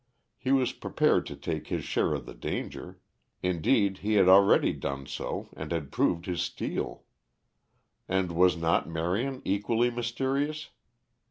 He was prepared to take his share of the danger; indeed he had already done so and had proved his steel. And was not Marion equally mysterious?